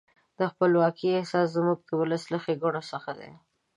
د خپلواکۍ احساس زموږ د ولس له ښېګڼو څخه دی.